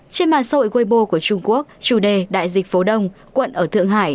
trên màn sội weibo của trung quốc chủ đề đại dịch phố đông quận ở thượng hải